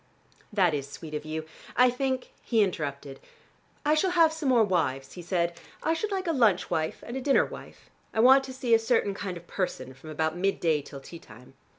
"That is sweet of you. I think " He interrupted. "I shall have some more wives," he said. "I should like a lunch wife and a dinner wife. I want to see a certain kind of person from about mid day till tea time."